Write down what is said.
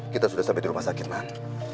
kita sudah sampai di rumah sakit lah